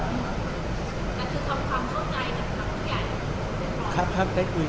ก็คือทำความเข้าใจกับทุกอย่าง